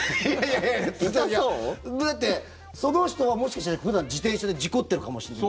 だってその人はもしかしたら普段、自転車で事故ってるかもしれない。